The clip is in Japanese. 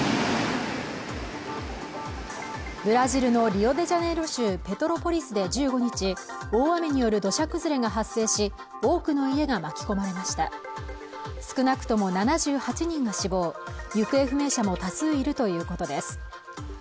ブラジルのリオデジャネイロ州ペトロポリスで１５日大雨による土砂崩れが発生し多くの家が巻き込まれました少なくとも７８人が死亡行方不明者も多数いるということです